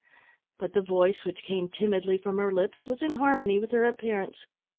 But the voice which came timidly from her lips was in harmony with her appearance.